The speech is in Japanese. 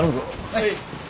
はい。